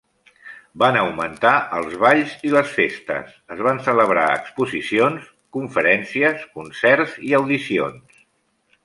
Van augmentar els balls i les festes, es van celebrar exposicions, conferències, concerts i audicions.